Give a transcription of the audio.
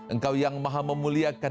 engkau yang maha memuliakan